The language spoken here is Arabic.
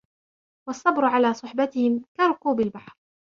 وَالصَّبْرُ عَلَى صُحْبَتِهِمْ كَرُكُوبِ الْبَحْرِ